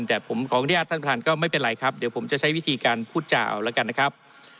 แต่ผมขออนุญาตท่านประธานก็ไม่เป็นไรครับเดี๋ยวผมจะใช้วิธีการพูดจาเอาแล้วกันนะครับ